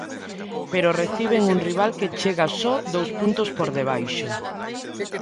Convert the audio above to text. Pero reciben un rival que chega só dous puntos por debaixo.